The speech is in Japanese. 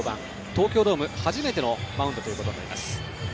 東京ドーム初めてのマウンドとなります。